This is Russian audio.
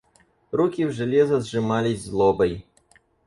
Руки в железо сжимались злобой.